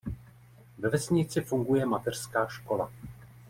Ve vesnici funguje mateřská škola.